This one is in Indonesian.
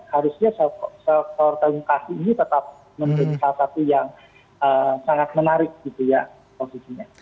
harusnya sektor telekomunikasi ini tetap menjadi salah satu yang sangat menarik gitu ya posisinya